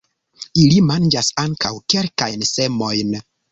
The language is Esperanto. Ili manĝas ankaŭ kelkajn semojn.